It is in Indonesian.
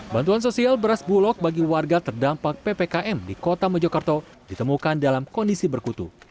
bantuan sosial beras bulog bagi warga terdampak ppkm di kota mojokerto ditemukan dalam kondisi berkutu